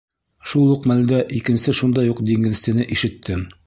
Шул уҡ мәлдә икенсе шундай уҡ диңгеҙсене ишеттем.